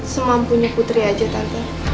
semampunya putri aja tante